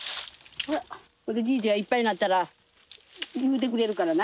じいじがいっぱいになったら言うてくれるからな。